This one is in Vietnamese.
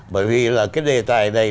bởi vì là cái đề tài này